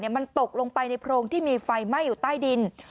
มันตกลงไปในโพรงที่มีไฟไหม้อยู่ใต้ดิน